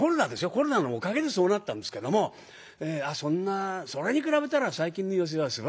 コロナのおかげでそうなったんですけどもそれに比べたら最近の寄席はすばらしいですね。